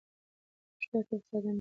ریښتیا تل ساده نه وي.